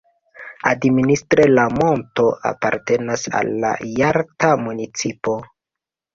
Administre la monto apartenas al la Jalta municipo.